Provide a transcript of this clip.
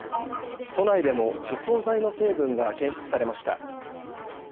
都内でも除草剤の成分が検出されました。